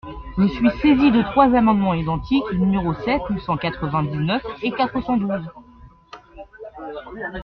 Je suis saisi de trois amendements identiques, numéros sept, cent quatre-vingt-dix-neuf et quatre cent douze.